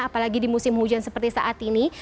apalagi di musim hujan seperti saat ini